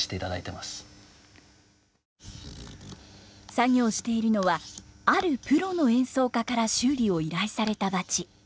作業しているのはあるプロの演奏家から修理を依頼されたバチ。